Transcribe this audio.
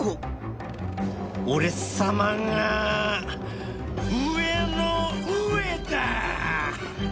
俺様が上の上だ！